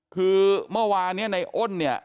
คือเมื่อวานเนี่ยในอ้นเนี่ย